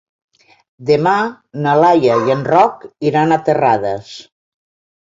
Demà na Laia i en Roc iran a Terrades.